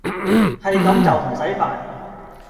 係咁就唔駛煩